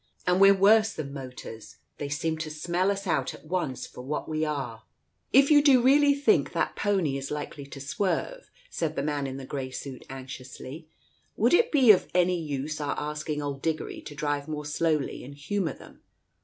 And we're worse than motors — they seem to smell us out at once for what we are 1 " Digitized by Google THE COACH i 4I "If you do really think that pony is likely to swerve," said the man in the grey suit, anxiously, "would it be of any use our asking old Diggory to drive more slowly and humour them